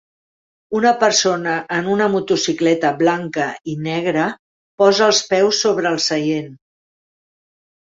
Una persona en una motocicleta blanca i negra posa els peus sobre el seient.